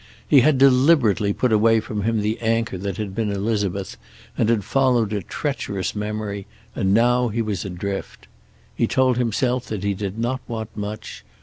He had deliberately put away from him the anchor that had been Elizabeth and had followed a treacherous memory, and now he was adrift. He told himself that he did not want much.